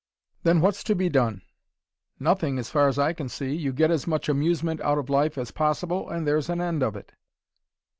"Then what's to be done?" "Nothing, as far as I can see. You get as much amusement out of life as possible, and there's the end of it."